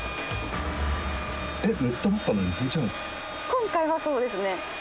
今回はそうですね。